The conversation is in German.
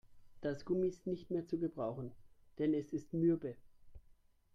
Das Gummi ist nicht mehr zu gebrauchen, denn es ist mürbe.